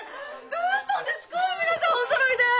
どうしたんですか？